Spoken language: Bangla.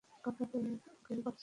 কালরাতে ওকেও পাচ্ছি?